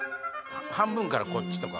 半分からこっち！とか。